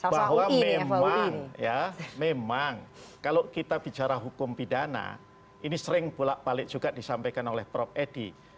bahwa memang ya memang kalau kita bicara hukum pidana ini sering bolak balik juga disampaikan oleh prof edi